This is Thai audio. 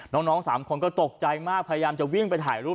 น้องสามคนก็ตกใจมากพยายามจะวิ่งไปถ่ายรูป